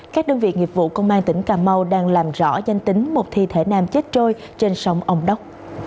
các đơn vị nghiệp vụ công an tỉnh cà mau đang làm rõ danh tính một thi thể nam chết trôi trên sông ông đốc